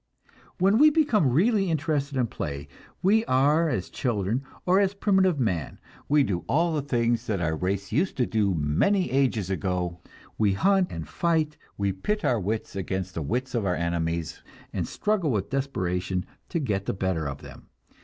When we become really interested in play, we are as children, or as primitive man; we do all the things that our race used to do many ages ago; we hunt and fight, we pit our wits against the wits of our enemies, and struggle with desperation to get the better of them.